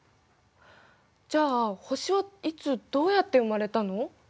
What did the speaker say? じゃあ星はいつどうやって生まれたの？